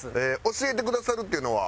教えてくださるっていうのは。